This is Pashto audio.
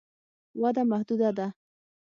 وده محدوده ده.